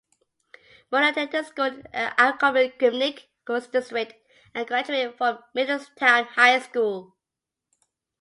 Moore attended school in Appoquinimink School District and graduated from Middletown High School.